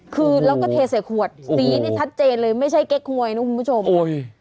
คือเราก็เฮวดนี่ชัดเจนเลยไม่ใช่นะครับคุณผู้ชมโอ้ย